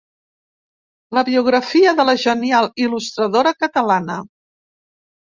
La biografia de la genial il·lustradora catalana.